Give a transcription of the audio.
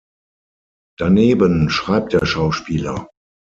Daneben schreibt der Schauspieler.